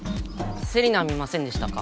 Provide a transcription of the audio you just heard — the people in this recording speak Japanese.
セリナ見ませんでしたか？